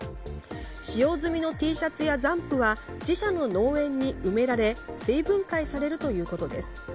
使用済みのＴシャツや残布は自社の農園に埋められ生分解されるということです。